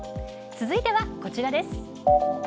続いてはこちらです。